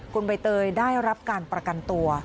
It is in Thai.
คุณใบเตยได้รับการประกันตัว